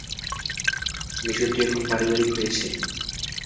মিশনটি এখন পারিবারিক হয়েছে।